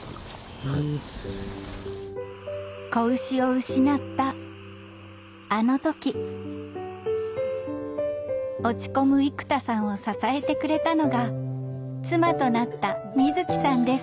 子牛を失ったあの時落ち込む生田さんを支えてくれたのが妻となった弥姫さんです